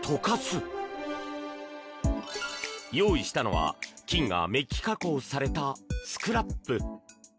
用意したのは、金がメッキ加工されたスクラップ。